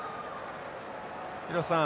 廣瀬さん